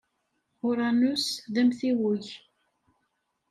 Uranus d amtiweg.